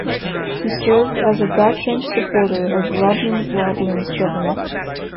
He served as a backbench supporter of Rodmond Roblin's government.